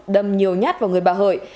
đâm nhiều nhát vào người bà hợi